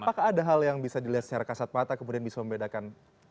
apakah ada hal yang bisa dilihat secara kasat mata kemudian bisa membedakan